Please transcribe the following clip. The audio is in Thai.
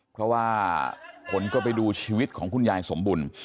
เพราะว่าคนก็ไปดูชีวิตของคุณยายสมบุญ